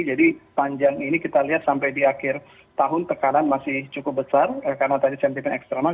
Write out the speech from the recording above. panjang ini kita lihat sampai di akhir tahun tekanan masih cukup besar karena tadi sentimen eksternal